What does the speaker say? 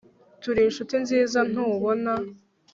turi inshuti nziza ntubona